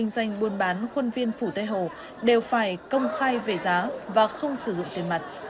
doanh buôn bán khuân viên phủ tây hồ đều phải công khai về giá và không sử dụng tiền mặt